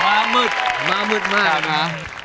มามืดม้ามืดมากนะ